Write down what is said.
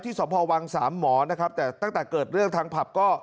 สมภาวังสามหมอนะครับแต่ตั้งแต่เกิดเรื่องทางผับก็